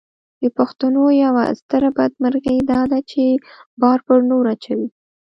د پښتنو یوه ستره بدمرغي داده چې بار پر نورو اچوي.